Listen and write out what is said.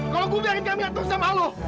kalau gue biarkan camilla terus sama lu